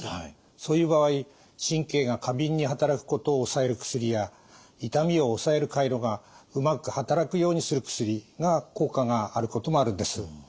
そういう場合神経が過敏に働くことを抑える薬や痛みを抑える回路がうまく働くようにする薬が効果があることもあるんです。